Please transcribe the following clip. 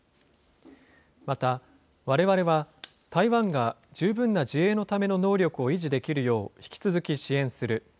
また、われわれは台湾が十分な自衛のための能力を維持できるよう引き続き支援する。